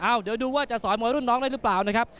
เดี๋ยวดูว่าจะสอยมวยรุ่นน้องได้หรือเปล่านะครับ